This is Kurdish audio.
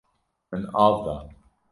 Min av da.